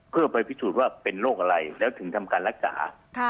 เพื่อไปพิสูจน์ว่าเป็นโรคอะไรแล้วถึงทำการรักษา